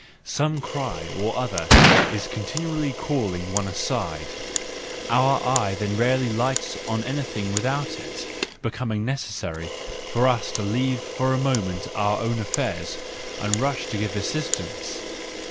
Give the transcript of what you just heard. Some cry or other is continually calling one aside: our eye then rarely lights on anything without it becoming necessary for us to leave for a moment our own affairs and rush to give assistance.